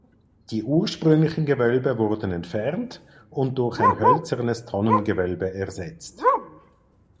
Die ursprünglichen Gewölbe wurden entfernt und durch ein hölzernes Tonnengewölbe ersetzt.